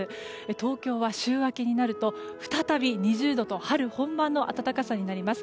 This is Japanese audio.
東京は週明けになると再び２０度と春本番の暖かさになります。